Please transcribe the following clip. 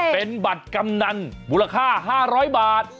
เป็นบัตรกำนันมูลค่า๕๐๐บาท